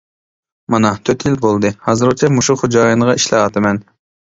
مانا تۆت يىل بولدى، ھازىرغىچە مۇشۇ خوجايىنغا ئىشلەۋاتىمەن.